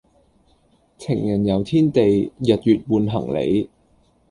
情人遊天地日月換行李